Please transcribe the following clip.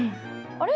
あれ？